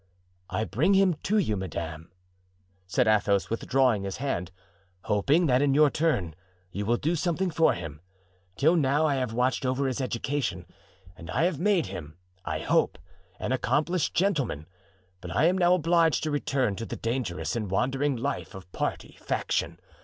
"I bring him to you, madame," said Athos, withdrawing his hand, "hoping that in your turn you will do something for him; till now I have watched over his education and I have made him, I hope, an accomplished gentleman; but I am now obliged to return to the dangerous and wandering life of party faction.